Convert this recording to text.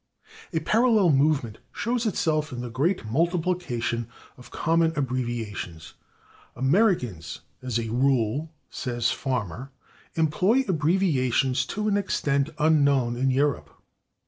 A parallel movement shows itself in the great multiplication of common abbreviations. "Americans, as a rule," says Farmer, "employ abbreviations to an extent unknown in Europe....